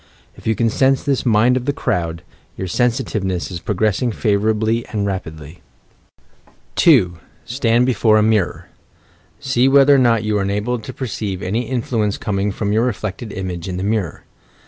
If you can sense this mind of the crowd, your sensitiveness is progressing favour ably and rapidly. THE CULTIVATION OP SENSITIVKNESS 169 2, Stand before a mirror. See whether or not you are enabled to perceive any influence coming from your reflected image in the mirror.